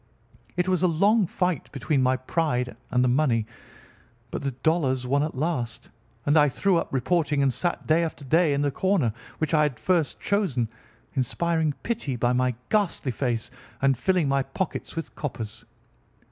It was a long fight between my pride and the money, but the dollars won at last, and I threw up reporting and sat day after day in the corner which I had first chosen, inspiring pity by my ghastly face and filling my pockets with coppers.